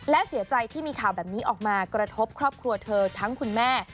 และเสียใจที่มีข่าวแบบนี้ออกมากระทบครอบครัวเธอทั้งคุณแม่